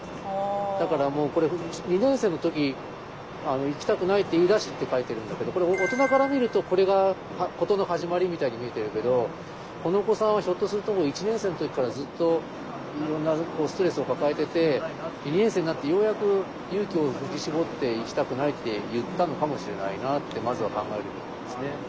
だからもうこれ「２年生の時行きたくないって言いだし」って書いてるんだけどこれ大人から見るとこれが事の始まりみたいに見えてるけどこのお子さんはひょっとするともう１年生の時からずっといろんなストレスを抱えてて２年生になってようやく勇気を振り絞って「行きたくない」って言ったのかもしれないなってまずは考えるべきなんですね。